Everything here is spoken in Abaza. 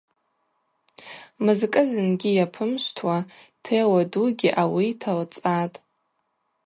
Мызкӏы зынгьи йапымшвтуа Теуа дугьи ауи йталцӏатӏ.